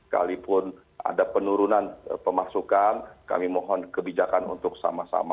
kalaupun ada penurunan pemasukan kami mohon kebijakan untuk sama sama